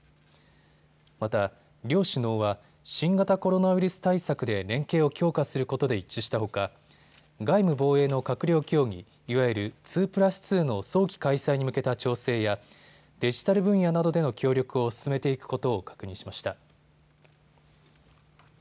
また、両首脳は新型コロナウイルス対策で連携を強化することで一致したほか外務・防衛の閣僚協議、いわゆる２プラス２の早期開催に向けた調整やデジタル分野などでの協力を進めていくことを確認しました。